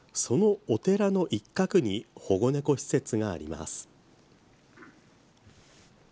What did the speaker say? そのお寺の一角に保護猫施設があります。